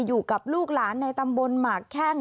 อยู่กับลูกหลานในตำบลหมากแข้ง